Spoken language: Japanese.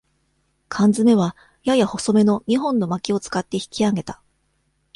かん詰めは、やや細めの二本のまきを使って引きあげた。